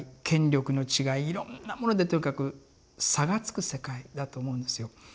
権力の違いいろんなものでとにかく差がつく世界だと思うんですよ。